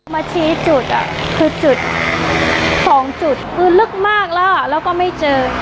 มาชี้จุดคือจุดสองจุดคือลึกมากแล้วแล้วก็ไม่เจอ